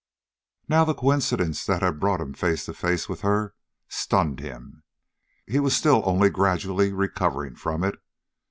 Now the coincidence that had brought him face to face with her, stunned him. He was still only gradually recovering from it.